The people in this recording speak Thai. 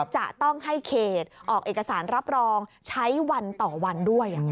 จะต้องให้เขตออกเอกสารรับรองใช้วันต่อวันด้วย